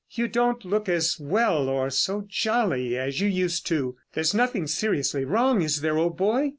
"You don't look as well or so jolly as you used to. There's nothing seriously wrong, is there, old boy?"